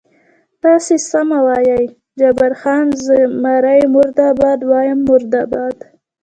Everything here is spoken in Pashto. تاسې سمه وایئ، جبار خان: زمري مرده باد، وایم مرده باد.